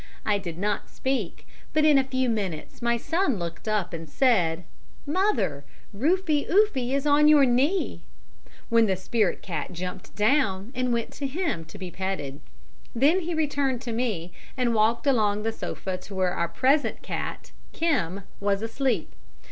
I did not speak, but in a few minutes my son looked up and said, "Mother, Rufie Oofie is on your knee," when the spirit cat jumped down and went to him to be petted. Then he returned to me, and walked along the sofa to where our present cat, "Kim," was asleep.